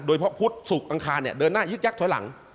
โดยเพราะพุทธสุขอังคารเดินหน้ายึกยักษ์ถอยหลัง